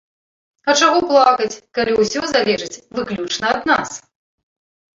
А чаго плакаць, калі ўсё залежыць выключна ад нас?